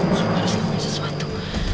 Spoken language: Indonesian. kamu harus lakukan sesuatu